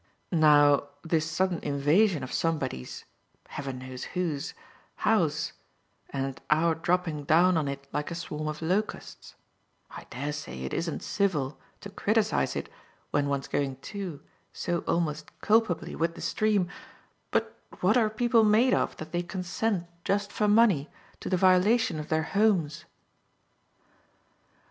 "Now this sudden invasion of somebody's heaven knows whose house, and our dropping down on it like a swarm of locusts: I dare say it isn't civil to criticise it when one's going too, so almost culpably, with the stream; but what are people made of that they consent, just for money, to the violation of their homes?"